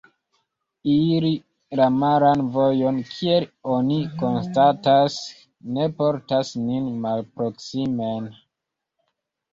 Iri la malan vojon, kiel oni konstatas, ne portas nin malproksimen.